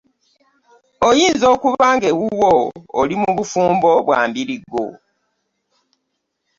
Oyinza okuba nga ewuwo oli mu bufumbo bwa mbirigo.